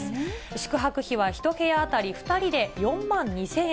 宿泊費は１部屋当たり２人で４万２０００円。